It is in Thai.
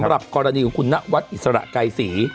สำหรับกรณีของคุณนวัดอิสระไกรศรี